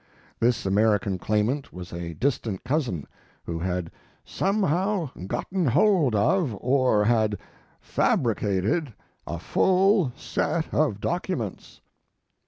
This American claimant was a distant cousin, who had "somehow gotten hold of, or had fabricated a full set of documents."